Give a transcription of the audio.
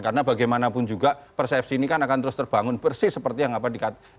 karena bagaimanapun juga persepsi ini kan akan terus terbangun persis seperti yang apa dikatakan